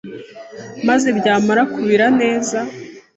maze byamara kubira neza